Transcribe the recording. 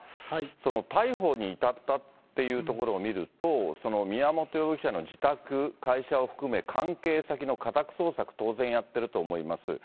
逮捕に至ったっていうところを見ると、その宮本容疑者の自宅、会社を含め、関係先の家宅捜索、当然やってると思います。